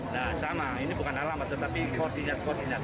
nah sama ini bukan alamat tetapi koordinat koordinat